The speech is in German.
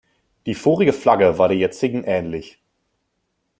Die vorige Flagge war der jetzigen ähnlich.